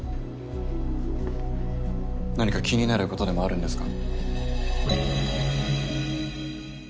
何か気になることでもあるんですか？